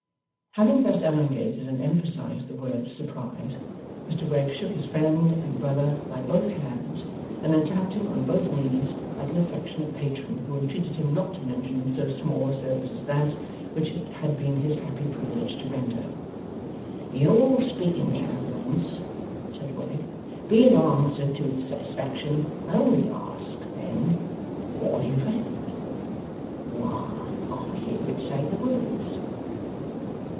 Having thus elongated and emphasized the word Surprise, Mr Wegg shook his friend and brother by both hands, and then clapped him on both knees, like an affectionate patron who entreated him not to mention so small a service as that which it had been his happy privilege to render. 'Your speaking countenance,' said Wegg, 'being answered to its satisfaction, only asks then, "What have you found?" Why, I hear it say the words!